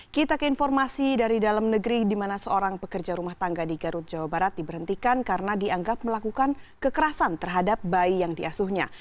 kita ke informasi dari dalam negeri di mana seorang pekerja rumah tangga di garut jawa barat diberhentikan karena dianggap melakukan kekerasan terhadap bayi yang diasuhnya